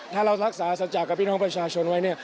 ถ้าเรารักษาสัจจากกับพี่น้องประชาชนไว้เนี่ย